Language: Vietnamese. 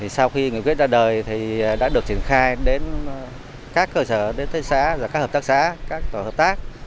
sau khi nghị quyết ra đời thì đã được triển khai đến các cơ sở đến thế xã các hợp tác xã các tòa hợp tác